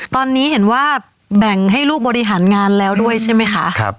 ตอนนี้เห็นว่าแบ่งให้ลูกบริหารงานแล้วด้วยใช่ไหมคะ